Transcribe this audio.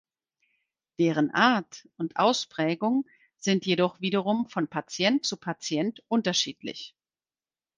Deren Art und Ausprägung sind jedoch wiederum von Patient zu Patient unterschiedlich.